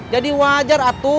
jadi wajar atu